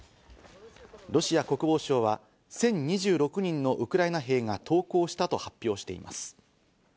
ロシア国防省は１０２６人のウクライナ兵が投降したと発表しています。